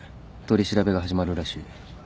取り調べが始まるらしい。